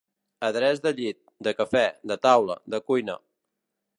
Adreç de llit, de cafè, de taula, de cuina.